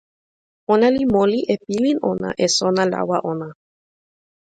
ona li moli e pilin ona e sona lawa ona.